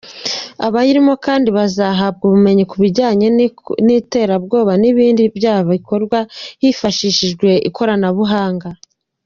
Abayarimo kandi bazanahabwa ubumenyi ku kurwanya iterabwoba n’ibindi byaha bikorwa hifashishijwe ikoranabuhanga.